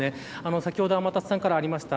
先ほど、天達さんからありました